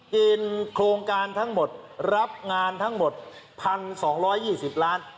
กินโครงการทั้งหมดรับงานทั้งหมด๑๒๒๐ล้าน